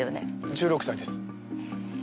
１６歳です。